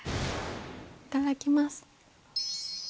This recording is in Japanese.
いただきます。